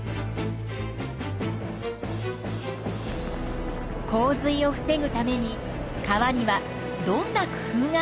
洪水を防ぐために川にはどんな工夫があるのかな？